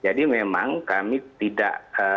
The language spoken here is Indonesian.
jadi memang kami tidak